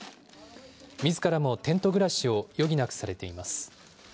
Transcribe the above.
みずからもテント暮らしを余儀なくされています。